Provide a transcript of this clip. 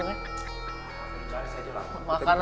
makanan lurus guys masalahnya